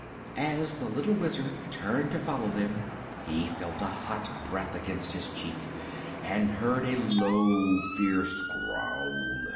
As the little Wizard turned to follow them he felt a hot breath against his cheek and heard a low, fierce growl.